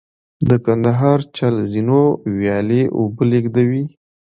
د کندهار چل زینو ویالې اوبه لېږدوي